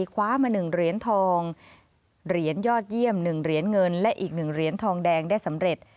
คว้ามา๑เหรียญทองเหรียญยอดเยี่ยม๑เหรียญเงินและอีก๑เหรียญทองแดงได้สำเร็จ